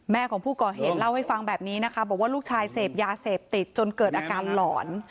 ของผู้ก่อเหตุเล่าให้ฟังแบบนี้นะคะบอกว่าลูกชายเสพยาเสพติดจนเกิดอาการหลอน